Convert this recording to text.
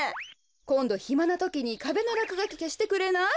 こんどひまなときにかべのらくがきけしてくれない？